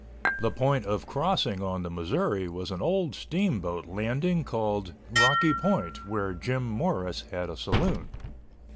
The point of crossing on the Missouri was an old steamboat landing called Rocky Point where Jim Norris had a saloon.